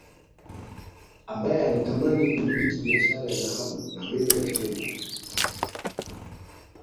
ambaye alitamani kuimiliki biashara ya dhahabu na meno ya tembo